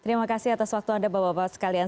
terima kasih atas waktu anda bapak bapak sekalian